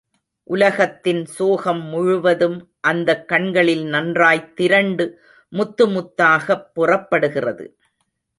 உலகத்தின் சோகம் முழுவதும் அந்தக் கண்களில் நன்றாய்த் திரண்டு முத்து முத்தாகப் புறப்படுகிறது.